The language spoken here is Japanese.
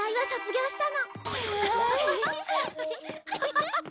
ハハハハ！